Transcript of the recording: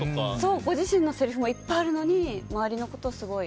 ご自身のせりふもいっぱいあるのに周りのことをすごい。